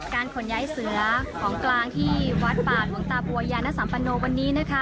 การขนย้ายเสื้อของกลางที่วัดปากหลวงตาปวยยานสำปานโนวันนี้นะคะ